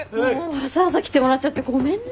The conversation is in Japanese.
わざわざ来てもらっちゃってごめんね。